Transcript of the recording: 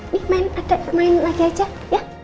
ini main adek main lagi aja ya